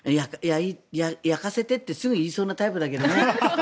焼かせてってすぐ言いそうなタイプだけどね。